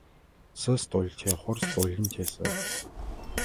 Сэ столтехъор столым тесэхъо.